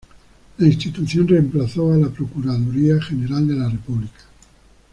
La institución reemplazó a la Procuraduría General de la República.